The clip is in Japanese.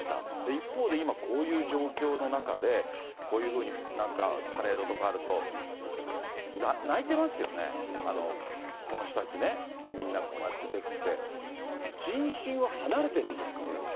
一方で、今、こういう状況の中で、こういうふうに、なんかパレードとかあると、泣いてますよね、この人たちね、みんなこうやって手振って、人心は離れているんですか、これは。